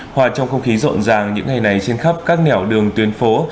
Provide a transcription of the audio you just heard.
hòa trong không khí rộn ràng những ngày này trên khắp các nẻo đường tuyến phố